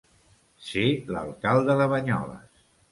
Ser l'alcalde de Banyoles.